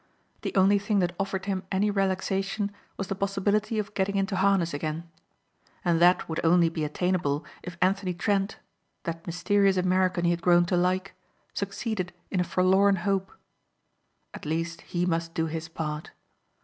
The only thing that offered him any relaxation was the possibility of getting into harness again. And that would only be attainable if Anthony Trent, that mysterious American he had grown to like, succeeded in a forlorn hope. At least he must do his part.